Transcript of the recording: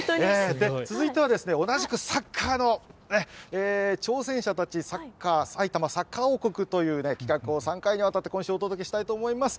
続いては同じくサッカーの挑戦者たち、埼玉サッカー王国という企画を３回にわたって今週、お届けしたいと思います。